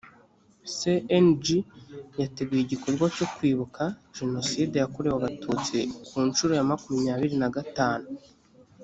cng yateguye igikorwa cyo kwibuka jenocide yakorewe abatutsi ku nshuro ya makumyabiri na gatanu